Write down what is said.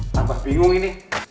tambah bingung ini